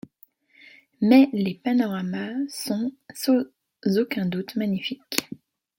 Mais les panoramas sont sans aucun doute magnifiques.